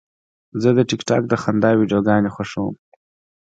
زه د ټک ټاک د خندا ویډیوګانې خوښوم.